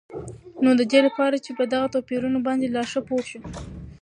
نو ددي لپاره چې په دغه توپيرونو باندي لا ښه پوه شو